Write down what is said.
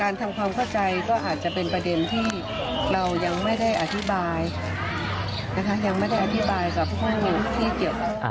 นะคะยังไม่ได้อธิบายกับทุกคนที่เกี่ยวกับ